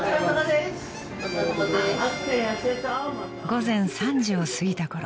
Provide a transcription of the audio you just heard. ［午前３時を過ぎたころ